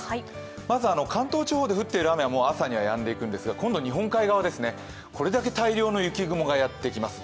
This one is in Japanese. まず関東地方で降っている雨は朝にはやんできますが今度日本海側ですね、これだけ大量の雪雲がやってきます。